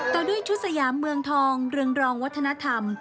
ต่อด้วยชุดสยามเมืองทองเรืองรองวัฒนธรรม